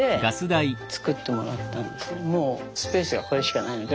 もうスペースがこれしかないので。